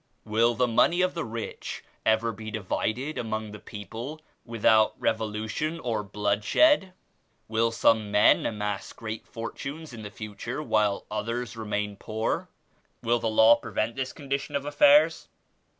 "Will the money of the rich ever be divided among the people without revolution or blood shed?^ "Will some men amass great fortunes in the future while others remain poor?" "Will the law prevent this condition of af fairs?"